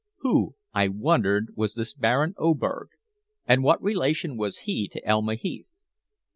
Who, I wondered, was this Baron Oberg, and what relation was he to Elma Heath?